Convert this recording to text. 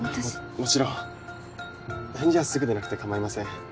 もちろん返事はすぐでなくてかまいません。